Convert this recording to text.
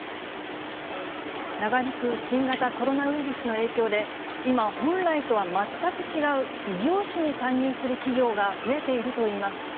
長引く新型コロナウイルスの影響で、今、本来とは全く違う異業種に参入する企業が増えているといいます。